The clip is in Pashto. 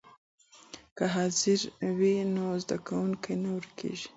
که حاضري وي نو زده کوونکی نه ورکېږي.